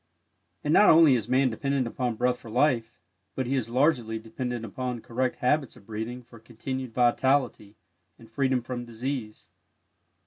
And not only is Man dependent upon Breath for life, but he is largely dependent upon correct habits of breathing for continued vitality and freedom from disease.